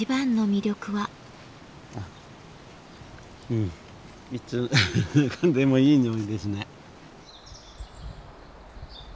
うんいつ嗅いでもいい匂いですね。